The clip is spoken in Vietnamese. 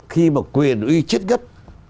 khi mà quyền uy chết gấp